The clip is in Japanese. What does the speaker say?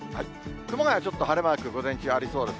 熊谷、ちょっと晴れマーク、午前中ありそうです。